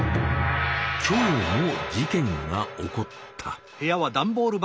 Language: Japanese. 今日も事件が起こった。